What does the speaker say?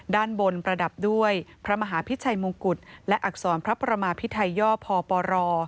ด้านบนประดับด้วยพระมหาพิชัยมงกุฎและอักษรพระประมาพิไทยย่อพปร